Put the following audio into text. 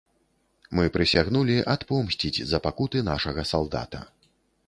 Мы прысягнулі адпомсціць за пакуты нашага салдата.